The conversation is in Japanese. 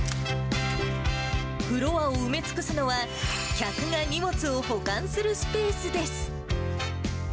フロアを埋め尽くすのは、客が荷物を保管するスペースです。